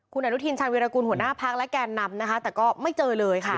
คุณอนุทินชาญวิรากูลหัวหน้าพักและแกนนำนะคะแต่ก็ไม่เจอเลยค่ะ